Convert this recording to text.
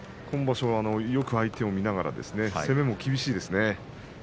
今場所は相手をよく見ながら攻めも厳しいです。